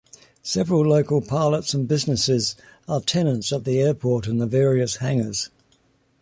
Several local pilots and businesses are tenants at the airport in the various hangars.